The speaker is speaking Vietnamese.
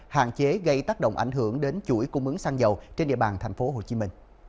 hạn chế gây tác động ảnh hưởng đến chuỗi cung ứng xăng dầu trên địa bàn tp hcm